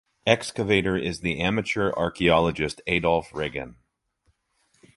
Excavator is the amateur archaeologist Adolf Regen.